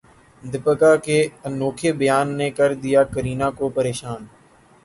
دیپیکا کے انوکھے بیان نے کردیا کرینہ کو پریشان